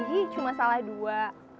anggi cuma salah dua